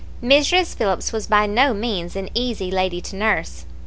"Mrs. Phillips was by no means an easy lady to nurse.